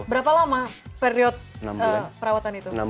berapa lama period perawatan itu